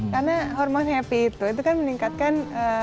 karena hormon happy itu kan meningkatkan